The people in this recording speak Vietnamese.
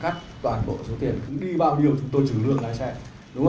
cắt toàn bộ số tiền cũng đi bao nhiêu chúng tôi trừ lương lái xe đúng không ạ